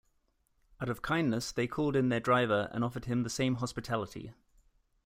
Out of kindness they called in their driver and offered him the same hospitality.